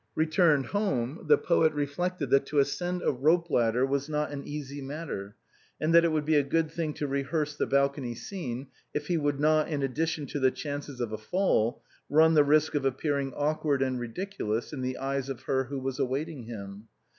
Returned home^ the poet reflected that to ascend a rope ladder was not an easy matter, and that it would be a good thing to rehearse the balcony scene, if he would not, in addition to the chances of a fall, run the risk of appearing awkward and ridiculous in the eyes of her who was await ing him.